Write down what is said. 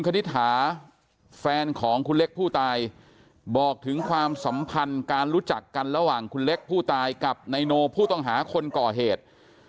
คณิตหาแฟนของคุณเล็กผู้ตายบอกถึงความสัมพันธ์การรู้จักกันระหว่างคุณเล็กผู้ตายกับนายโนผู้ต้องหาคนก่อเหตุ